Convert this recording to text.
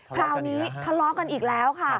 คราวนี้ทะเลาะกันอีกแล้วค่ะ